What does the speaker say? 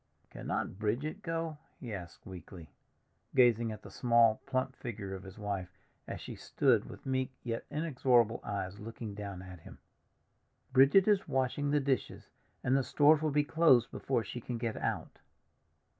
"Cannot Bridget go?" he asked weakly, gazing at the small, plump figure of his wife, as she stood with meek yet inexorable eyes looking down at him. "Bridget is washing the dishes, and the stores will be closed before she can get out."